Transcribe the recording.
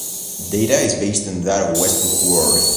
Data is based on that of Westbrook Ward.